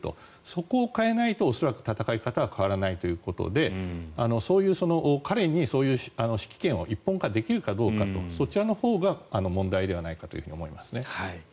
そこを変えないと恐らく戦い方は変わらないということでそういう彼に指揮権を一本化できるかどうかとそちらのほうが問題ではないかと思いますね。